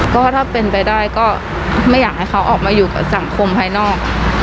ก็ถ้าเป็นไปได้ก็ไม่อยากให้เขาออกมาอยู่กับสังคมภายนอก